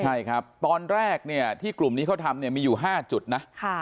ใช่ครับตอนแรกเนี่ยที่กลุ่มนี้เขาทำเนี่ยมีอยู่๕จุดนะ